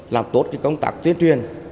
làm tốt công tác tuyên truyền